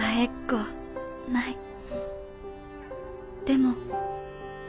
でも。